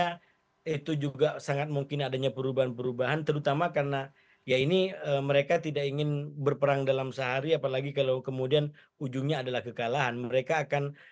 karena itu juga sangat mungkin adanya perubahan perubahan terutama karena ya ini mereka tidak ingin berperang dalam sehari apalagi kalau kemudian ujungnya adalah kekalahan mereka akan